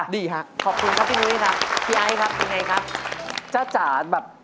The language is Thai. ดีค่ะพี่นุ้ยครับพี่ไอพี่นัยครับจ๊ะจ๋าแบบ